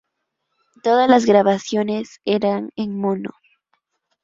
Todas las grabaciones eran en mono.